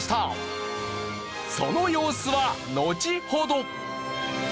その様子はのちほど。